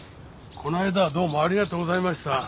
この間はどうもありがとうございました。